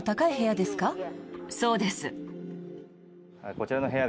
こちらの部屋